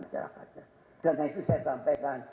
masyarakatnya dan nanti saya sampaikan